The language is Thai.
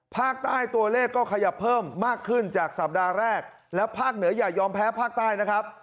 ภาคใต้ตัวเลขก็ขยับเพิ่มมากขึ้นจากสัปดาห์แรกแล้วภาคเหนืออย่ายอมแพ้ภาคใต้นะครับ